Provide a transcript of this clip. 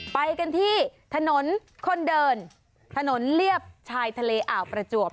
ไปกันที่ถนนคนเดินถนนเลียบชายทะเลอ่าวประจวบ